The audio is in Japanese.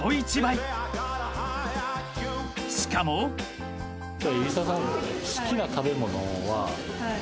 ［しかも］入澤さん。